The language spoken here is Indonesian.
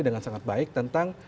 dengan sangat baik tentang